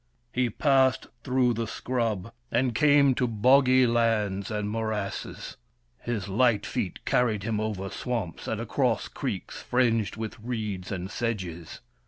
He passed through the scrub, and came to boggy lands and morasses ; his light feet carried him over swamps and across creeks fringed with reeds and sedges.